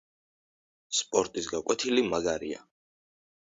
სპორტის გაკვეთილი მაგარია